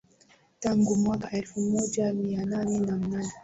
tangu mwaka elfu moja mia nane na nne